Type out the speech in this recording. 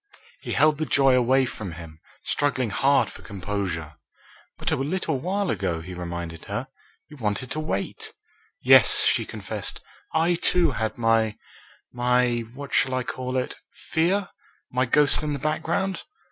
He held the joy away from him, struggling hard for composure. "But a little time ago," he reminded her, "you wanted to wait." "Yes," she confessed, "I, too, had my my what shall I call it fear? my ghost in the background?"